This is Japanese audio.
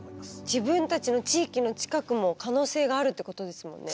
自分たちの地域の近くも可能性があるってことですもんね。